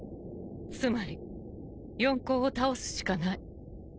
つまり四皇を倒すしかない